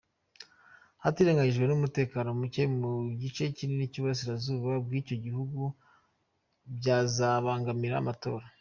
Hatirengagijwe n’umutekano muke mu gice kinini cy’iburasirazuba bw’icyo gihugu byazabangamira amatora.